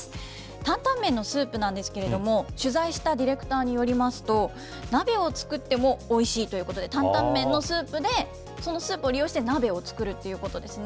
タンタン麺のスープなんですけれども、取材したディレクターによりますと、鍋を作ってもおいしいということで、タンタン麺のスープで、そのスープを利用して、鍋を作るということですね。